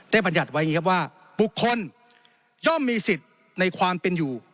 บรรยัติไว้อย่างนี้ครับว่าบุคคลย่อมมีสิทธิ์ในความเป็นอยู่